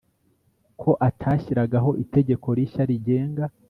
ko atashyiragaho itegeko rishya rigenga